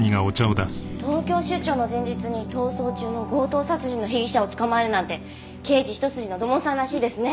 東京出張の前日に逃走中の強盗殺人の被疑者を捕まえるなんて刑事一筋の土門さんらしいですね。